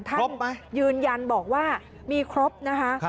ยืนยันบอกว่ามีครบนะคะ